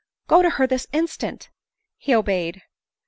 " Go to her this instant." He obeyed.